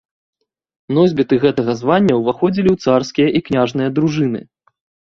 Носьбіты гэтага звання ўваходзілі ў царскія і княжыя дружыны.